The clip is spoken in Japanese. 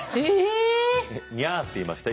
「にゃー」って言いました？